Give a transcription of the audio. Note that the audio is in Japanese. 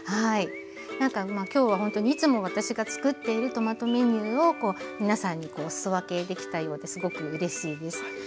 なんか今日はほんとにいつも私がつくっているトマトメニューを皆さんにお裾分けできたようですごくうれしいです。